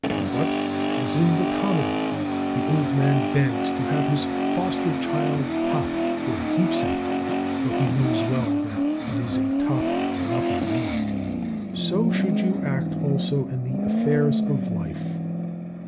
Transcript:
But as, in the Comedy, the old man begs to have his fosterchild's top for a keepsake, though he knows well that it is a top and nothing more, so should you act also in the affairs of life.